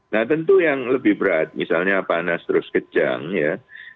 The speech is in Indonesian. nah tentu yang lebih berat misalnya panas terus kejang ya